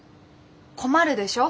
困るでしょ。